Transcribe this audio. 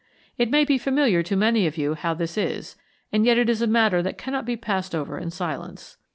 It may be familiar to many of you how this is, and yet it is a matter that cannot be passed over in silence.